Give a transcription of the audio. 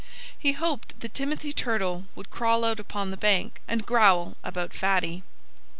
He hoped that Timothy Turtle would crawl out upon the bank and growl about Fatty.